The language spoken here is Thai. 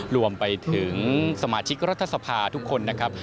รวมไปถึงสมาชิกรัฐสภาทุกคนนะครับ